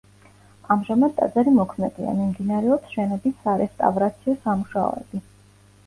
ამჟამად ტაძარი მოქმედია, მიმდინარეობს შენობის სარესტავრაციო სამუშაოები.